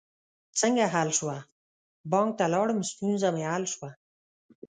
څنګه حل شوه؟ بانک ته لاړم، ستونزه می حل شوه